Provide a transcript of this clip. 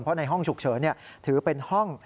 เพราะในห้องฉุกเฉินถือเป็นห้อง